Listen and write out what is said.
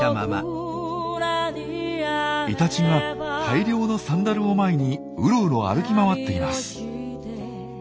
イタチが大量のサンダルを前にうろうろ歩き回っています。